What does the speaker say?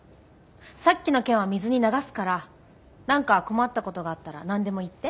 さっきの件は水に流すから何か困ったことがあったら何でも言って。